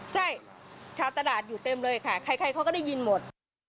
ใช่ชาวตลาดอยู่เต็มเลยค่ะใครเขาก็ได้ยินหมด